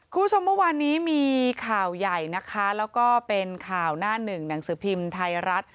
คุณผู้ชมเมื่อวานนี้มีข่าวใหญ่นะคะแล้วก็เป็นข่าวหน้าหนึ่งหนังสือพิมพ์ไทยรัฐ